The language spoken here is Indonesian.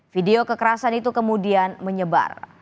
video kekerasan itu kemudian menyebar